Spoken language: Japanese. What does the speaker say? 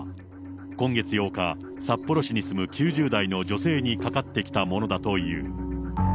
今月８日、札幌市に住む９０代の女性にかかってきたものだという。